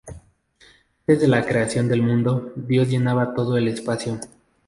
Antes de la creación del mundo, Dios llenaba todo el espacio.